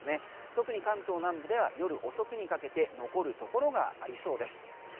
特に関東南部では夜遅くにかけて残るところがありそうです。